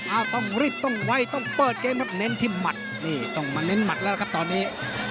อาท้องรีกต้องไวต้องเปิดเกมันเน้นที่หมันนี่ต้องบัดเน้นกับหมันแล้วครับตอนนี้